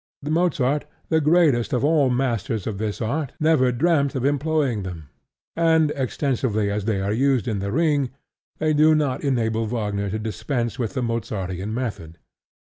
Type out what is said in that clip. Mozart, the greatest of all masters of this art, never dreamt of employing them; and, extensively as they are used in The Ring, they do not enable Wagner to dispense with the Mozartian method.